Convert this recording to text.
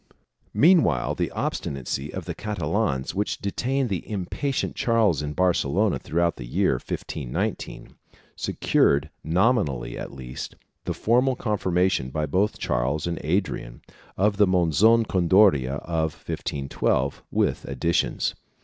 Meanwhile the obstinacy of the Catalans, which detained the impatient Charles in Barcelona throughout the year 1519, secured, nominally at least, the formal confirmation by both Charles and Adrian, of the Monzon Concordia of 1512 with additions.